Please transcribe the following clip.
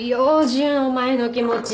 純お前の気持ち。